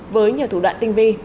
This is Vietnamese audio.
với nhiều thủ đoạn tinh vi